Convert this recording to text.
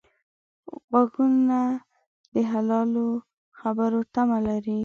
غوږونه د حلالو خبرو تمه لري